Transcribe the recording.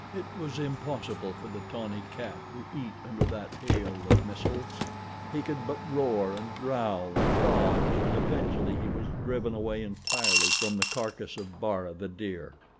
It was impossible for the tawny cat to eat under that hail of missiles—he could but roar and growl and dodge and eventually he was driven away entirely from the carcass of Bara, the deer.